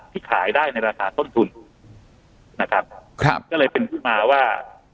ขายได้ในราคาต้นทุนนะครับครับก็เลยเป็นที่มาว่า